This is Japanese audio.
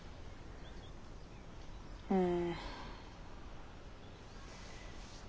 うん。